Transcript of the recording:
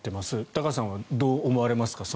高橋さんはどう思われますか？